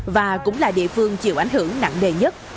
và cũng là địa phương chịu ảnh hưởng nặng nề nhất